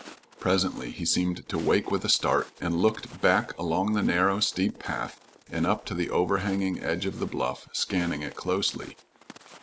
Presently he seemed to wake with a start and looked back along the narrow, steep path, and up to the overhanging edge of the bluff, scanning it closely.